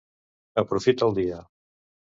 Aprofita el dia!